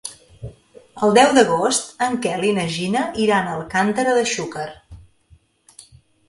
El deu d'agost en Quel i na Gina iran a Alcàntera de Xúquer.